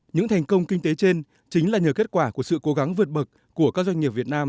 những thành công kinh tế trên chính là nhờ kết quả của sự cố gắng vượt bậc của các doanh nghiệp việt nam